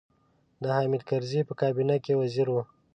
د حامد کرزي په کابینه کې وزیر و.